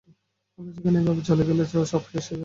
আমরা সেখানে এভাবেই চলে গেলে, সব শেষ হয়ে যাবে।